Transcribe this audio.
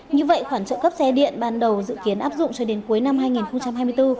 như vậy khoản trợ cấp xe điện ban đầu dự kiến áp dụng cho đến cuối năm hai nghìn hai mươi bốn